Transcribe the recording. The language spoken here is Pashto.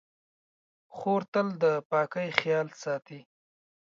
خور تل د پاکۍ خیال ساتي.